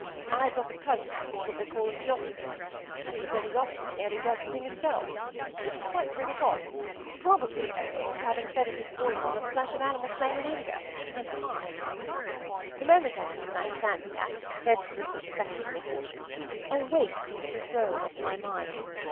I’ve got a cousin who’s what they call a Theosophist, and he says he’s often nearly worked the thing himself, but couldn’t quite bring it off, probably owing to having fed in his boyhood on the flesh of animals slain in anger and pie. The moment I saw the man standing there, registering respectful attention, a weight seemed to roll off my mind.